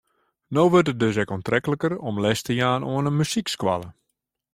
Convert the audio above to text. No wurdt it dus ek oantrekliker om les te jaan oan in muzykskoalle.